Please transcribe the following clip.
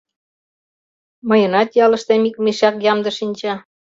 Мыйынат ялыштем ик мешак ямде шинча...